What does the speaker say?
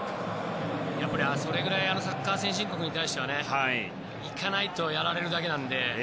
やっぱりそれぐらいサッカー先進国に対してはいかないとやられるだけなので。